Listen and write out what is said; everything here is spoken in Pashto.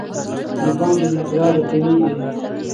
د پانګې مقدار راکمیږي.